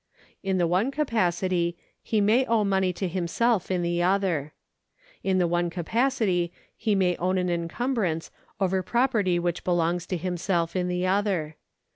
In the one capacity he may owe money to himself in the other. In the one capacity he may own an encum brance over property which belongs to himself in the other.